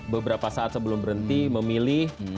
beberapa saat sebelum berhenti memilih